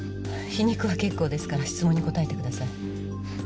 皮肉は結構ですから質問に答えてください。